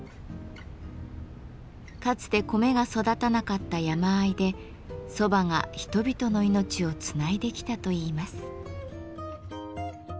かつて米が育たなかった山あいで蕎麦が人々の命をつないできたといいます。